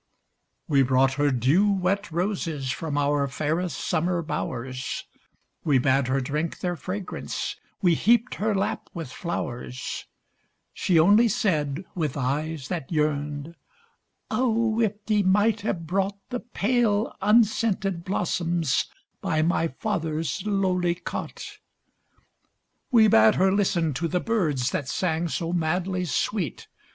We brought her dew wet roses from our fairest sum mer bowers, We bade her drink their fragrance, we heaped her lap with flowers; She only said, with eyes that yearned, "Oh, if ye might have brought The pale, unscented blossoms by my father's lowly cot!" We bade her listen to the birds that sang so madly sweet.